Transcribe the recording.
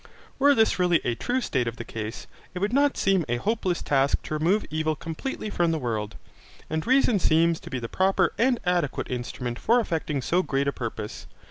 Were this really a true state of the case, it would not seem a hopeless task to remove evil completely from the world, and reason seems to be the proper and adequate instrument for effecting so great a purpose.